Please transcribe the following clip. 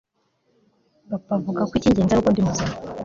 Papa avuga ko icyingenzi ari uko ndi muzima